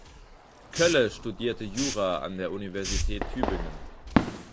Kölle studierte Jura an der Universität Tübingen.